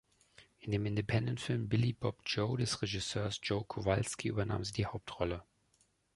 In dem Independentfilm "Billie Bob Joe" des Regisseurs Joe Kowalski übernahm sie die Hauptrolle.